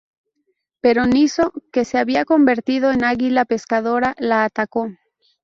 Pero Niso, que se había convertido en águila pescadora, la atacó.